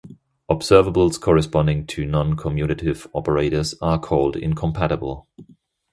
Observables corresponding to non-commutative operators are called "incompatible".